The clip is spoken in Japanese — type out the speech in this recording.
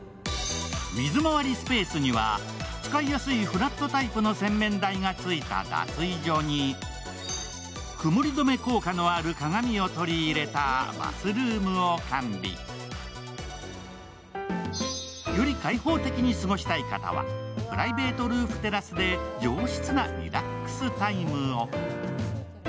水回りスペースには使いやすいフラットタイプの洗面台がついた脱衣所に曇り止め効果のある鏡を取り入れたバスルームを完備。より開放的に過ごしたい方はプライベートルーフテラスで上質なリラックスタイムを。